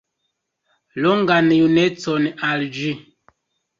Longan junecon al ĝi!